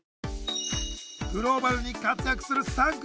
グローバルに活躍する３組。